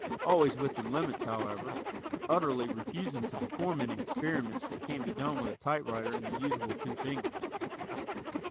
Always within limits, however utterly refusing to perform any experiments that can't be done with a typewriter and the usual two fingers.